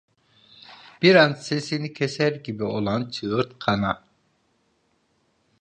Bir an sesini keser gibi olan çığırtkana: